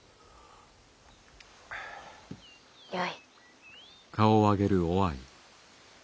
よい。